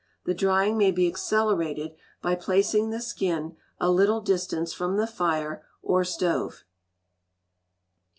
The drying may be accelerated by placing the skin a little distance from the fire or stove.